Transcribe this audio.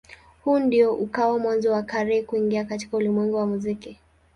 Na huu ndio ukawa mwanzo wa Carey kuingia katika ulimwengu wa muziki.